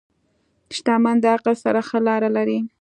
• شتمني د عقل سره ښه لاره لري.